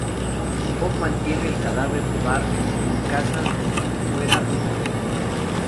Bob mantiene el cadáver de Bart en su casa como si fuera un juguete.